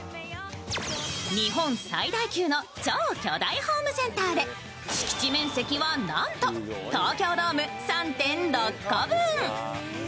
日本最大級の超巨大ホームセンターで敷地面積はなんと東京ドーム３．６個分。